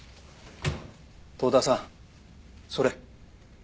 遠田さんそれ。